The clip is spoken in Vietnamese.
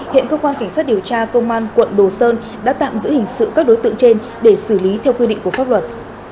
hiện cơ quan cảnh sát điều tra công an quận đồ sơn đã tạm giữ hình sự các đối tượng trên để xử lý theo quy định của pháp luật